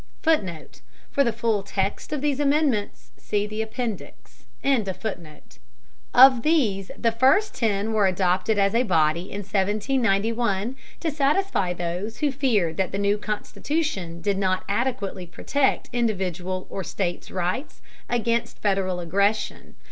[Footnote: For the full text of these Amendments see the Appendix.] Of these the first ten were adopted as a body in 1791, to satisfy those who feared that the new Constitution did not adequately protect individual or states' rights against Federal aggression.